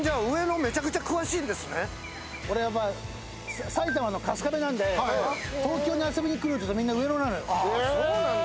俺は埼玉の春日部なんで東京に遊びに来るときはみんな上野なのよ。